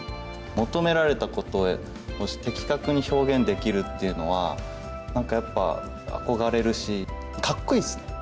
求められたことを的確に表現できるっていうのは、なんかやっぱ憧れるし、かっこいいっすね！